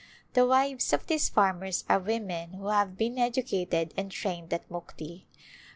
The wives of these farmers are women who have been educated and trained at Mukti.